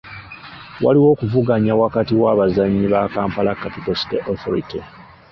Waliwo okuvuganya wakati w'abazannyi ba Kampala Capital City Authority.